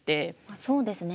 そうですね